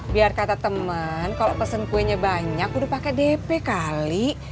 biar kata temen kalo pesen kuenya banyak udah pake dp kali